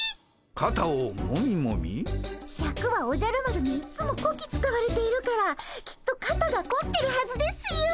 シャクはおじゃる丸にいっつもこき使われているからきっと肩がこってるはずですよ。